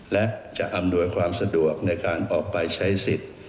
และจะอำนวยความสะดวกในการออกไปใช้สิทธิ์